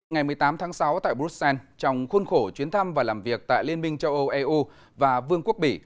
ngày một mươi tám tháng sáu tại bruxelles trong khuôn khổ chuyến thăm và làm việc tại liên minh châu âu eu và vương quốc bỉ